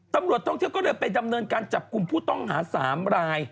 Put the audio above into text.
ตำรวจท่องเที่ยวก็เลยไปดำเนินการจับกลุ่มผู้ต้องหา๓ราย